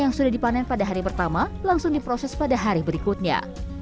yang sudah dipanen pada hari pertama langsung diproses pada hari berikutnya